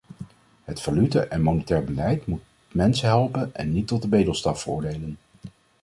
Het valuta- en monetair beleid moet mensen helpen en niet tot de bedelstaf veroordelen.